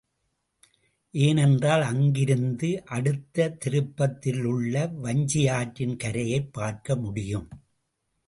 ஏனென்றால், அங்கிருந்து அடுத்த திருப்பத்திலுள்ள வஞ்சியாற்றின் கரையைப் பார்க்க முடியும்.